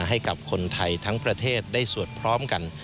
ให้กับคนไทยทั้งประเทศได้สวดพร้อมกัน